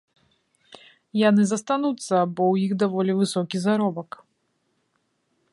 Яны застануцца, бо ў іх даволі высокі заробак.